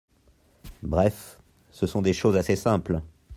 Bref, ce sont des choses assez simples.